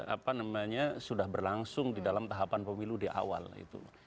apa namanya sudah berlangsung di dalam tahapan pemilu di awal itu